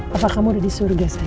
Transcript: papa kamu udah di surga sayang